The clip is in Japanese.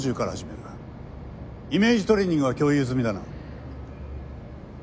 イメージトレーニングは共有済みだな？